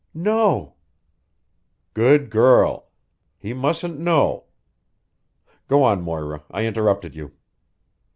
"No." "Good girl! He mustn't know. Go on, Moira. I interrupted you."